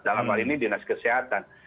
dalam hal ini dinas kesehatan